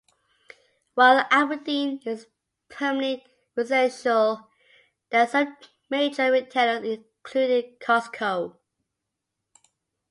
While Aberdeen is primarily residential, there are some major retailers, including Costco.